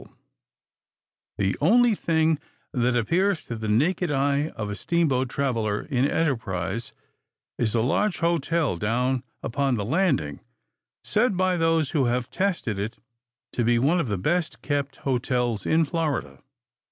The only thing that appears to the naked eye of a steamboat traveller in Enterprise is a large hotel down upon the landing, said by those who have tested it to be one of the best kept hotels in Florida.